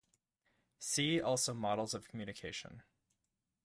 See also Models of communication.